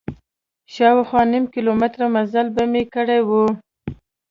شاوخوا نیم کیلومتر مزل به مې کړی و.